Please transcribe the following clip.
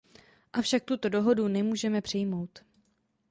Avšak tuto dohodu nemůžeme přijmout.